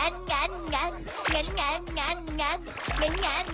แม่งั้น